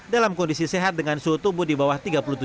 dalam kondisi sehat dengan suhu tubuh di bawah tiga puluh tujuh